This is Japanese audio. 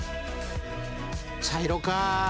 茶色か。